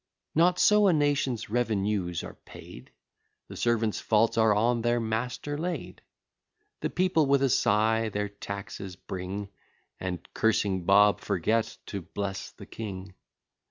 Not so a nation's revenues are paid; The servant's faults are on the master laid. The people with a sigh their taxes bring, And, cursing Bob, forget to bless the king.